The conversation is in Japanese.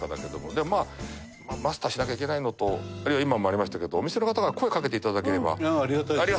でもまあマスターしなきゃいけないのとあるいは今もありましたけどお店の方が声かけて頂ければありがたいですね。